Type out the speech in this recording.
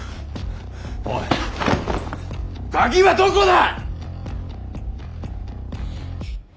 おい鍵はどこだ！